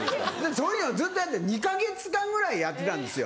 そういうのをずっとやって２か月間ぐらいやってたんですよ。